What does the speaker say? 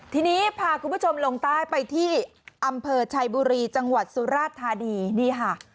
ทีนี้พาคุณผู้ชมลงใต้ไปที่อำเภอชัยบุรีจังหวัดสุราชธานีนี่ค่ะ